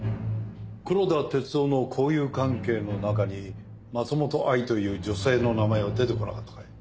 黒田哲生の交友関係の中に松本藍という女性の名前は出てこなかったかい？